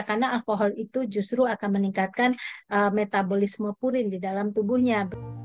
karena alkohol itu justru akan meningkatkan metabolisme purin di dalam tubuhnya